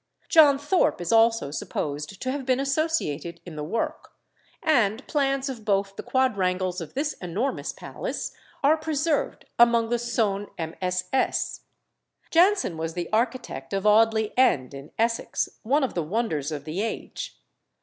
John Thorpe is also supposed to have been associated in the work; and plans of both the quadrangles of this enormous palace are preserved among the Soane MSS. Jansen was the architect of Audley End, in Essex, one of the wonders of the age.